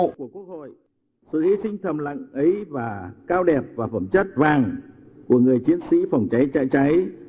sự hy sinh thầm lặng ấy và cao đẹp và phẩm chất vàng của người chiến sĩ phòng cháy cháy cháy